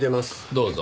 どうぞ。